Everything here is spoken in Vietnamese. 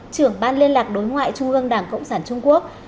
trưởng ban liên lạc đối ngoại trung ương đảng cộng sản trung quốc